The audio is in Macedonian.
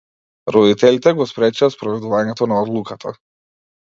Родителите го спречија спроведувањето на одлуката.